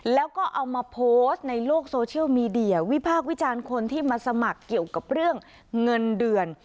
แล้วก็เอามาโพสต์ในโลกโซเชียลมีเดียวิพากษ์วิจารณ์คนที่มาสมัครเกี่ยวกับเรื่องเงินเดือน